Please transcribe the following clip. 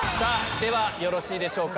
よろしいでしょうか？